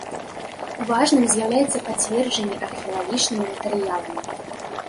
Важным з'яўляецца пацверджанне археалагічнымі матэрыяламі.